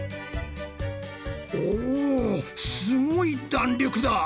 おすごい弾力だ！